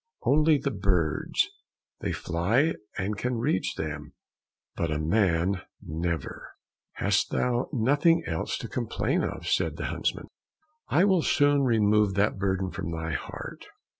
Only the birds; they fly and can reach them, but a man never." "Hast thou nothing else to complain of?" said the huntsman. "I will soon remove that burden from thy heart."